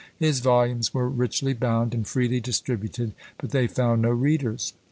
His volumes were richly bound, and freely distributed, but they found no readers!